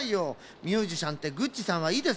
ミュージシャンってグッチさんはいいですか？